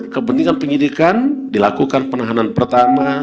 kepentingan penyidikan dilakukan penahanan pertama